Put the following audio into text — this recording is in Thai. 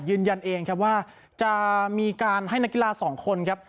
ยืนยันเองครับว่าจะมีการให้นักกีฬาสองคนครับ